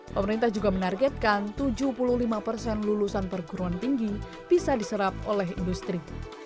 pemerintah juga menargetkan tujuh puluh lima persen lulusan perguruan tinggi bisa diserap oleh industri